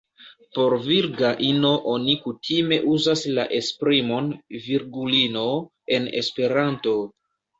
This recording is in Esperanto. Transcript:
Por virga ino oni kutime uzas la esprimon "virgulino" en Esperanto.